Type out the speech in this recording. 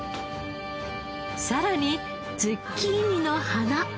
さらにズッキーニの花。